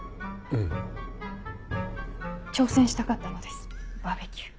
ええ。挑戦したかったのですバーベキュー。